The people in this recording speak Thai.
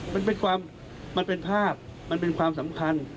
มันเป็นความมันเป็นภาพมันเป็นความสำคัญ